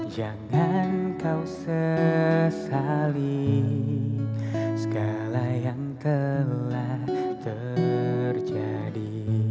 jangan kau sesali segala yang telah terjadi